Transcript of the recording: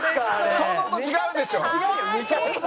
想像と違うでしょ。